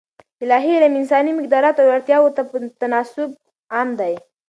الاهي علم انساني مقدراتو او اړتیاوو ته په تناسب عام دی.